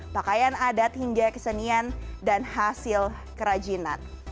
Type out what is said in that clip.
pakaian adat hingga kesenian dan hasil kerajinan